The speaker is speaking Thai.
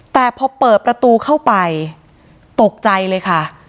แต่พอเปิดประตูเข้าไปตกใจเลยค่ะ